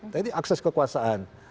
jadi akses kekuasaan